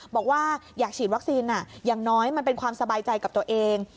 บอกว่าอยากฉีดวัคซีนอย่างน้อยมันเป็นความสบายใจกับตัวเอง